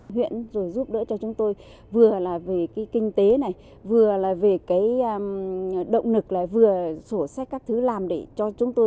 huyện giúp đỡ cho chúng tôi vừa là về kinh tế vừa là về động lực vừa là sổ sách các thứ làm để cho chúng tôi